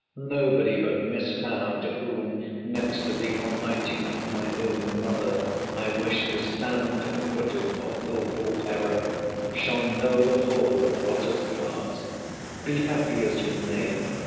Nobody but Miss Howe, to whom, next to the Almighty, and my own mother, I wish to stand acquitted of wilful error, shall know the whole of what has passed. Be happy, as you may!